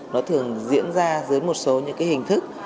nó thường diễn ra dưới một số những cái hình thức